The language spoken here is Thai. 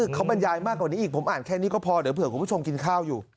เขาบรรยายมากกว่านี้อีกผมอ่านแค่นี้ก็พอเดี๋ยวเผื่อคุณผู้ชมกินข้าวอยู่